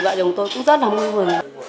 vợ chồng tôi cũng rất là vui vui